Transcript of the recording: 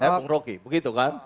saya bung rocky begitu kan